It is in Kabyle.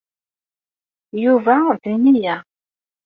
Yuba d nneyya.